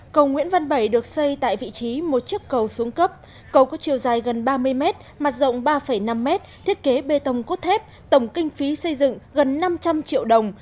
cầu nguyễn văn bảy được xây tại vị trí một chiếc cầu xuống cấp cầu có chiều dài gần ba mươi mét mặt rộng ba năm m thiết kế bê tông cốt thép tổng kinh phí xây dựng gần năm trăm linh triệu đồng